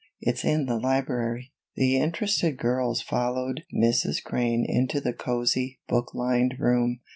It's in the library." The interested girls followed Mrs. Crane into the cozy, book lined room.